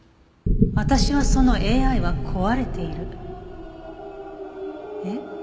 私はそのＡＩは壊れているいえ